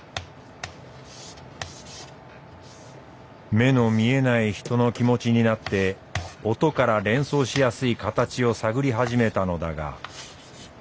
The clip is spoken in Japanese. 目の見えないひとの気持ちになって音から連想しやすいカタチを探り始めたのだが。